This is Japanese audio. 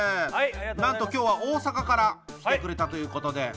なんと今日は大阪から来てくれたということで。